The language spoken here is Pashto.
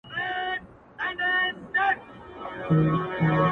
• راهب په کليسا کي مردار ښه دی؛ مندر نسته